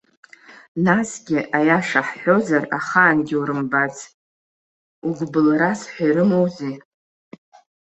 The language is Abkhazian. Насгьы, аиаша ҳҳәозар, ахаангьы урымбац, угәыблырас ҳәа ирымоузеи?